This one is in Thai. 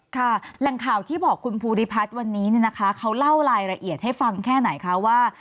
แหล่งข่าวที่บอกคุณภูริพัฒน์วันนี้เนี่ยนะคะเขาเล่ารายละเอียดให้ฟังแค่ไหนคะว่า